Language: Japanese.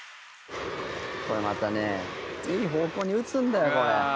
「これまたねいい方向に打つんだよ」